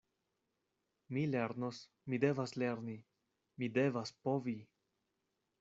Mi lernos, mi devas lerni, mi devas povi!